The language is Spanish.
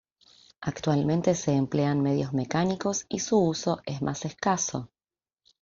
Actualmente se emplean medios mecánicos y su uso es más escaso.